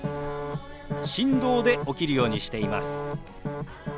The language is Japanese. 振動で起きるようにしています。